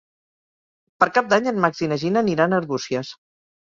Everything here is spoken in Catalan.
Per Cap d'Any en Max i na Gina aniran a Arbúcies.